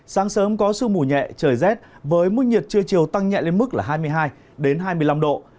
sáng sớm có sương mù nhẹ trời rét với mức nhiệt trưa chiều tăng nhẹ lên mức là hai mươi hai hai mươi năm độ